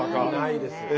ないです。